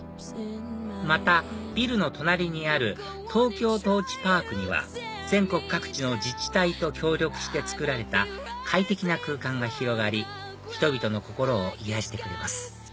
またビルの隣にあるＴＯＫＹＯＴＯＲＣＨＰａｒｋには全国各地の自治体と協力してつくられた快適な空間が広がり人々の心を癒やしてくれます